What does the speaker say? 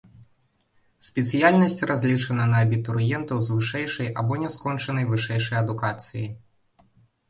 Спецыяльнасць разлічана на абітурыентаў з вышэйшай або няскончанай вышэйшай адукацыяй.